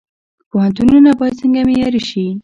پوهنتونونه باید څنګه معیاري شي؟